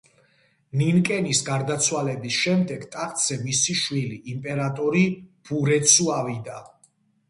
ნინკენის გარდაცვალების შემდეგ, ტახტზე მისი შვილი იმპერატორი ბურეცუ ავიდა.